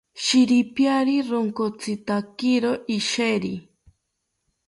Shiripiari ronkotzitakiro isheri